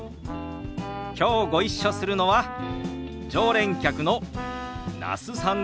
きょうご一緒するのは常連客の那須さんですよ。